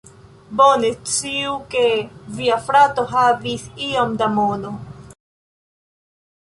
Bone, sciu ke via frato havis iom da mono